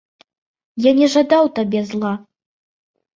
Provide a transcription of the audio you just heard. Я не жадаў табе зла.